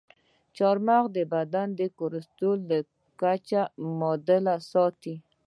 چارمغز د بدن د کلسترول کچه متعادله ساتي.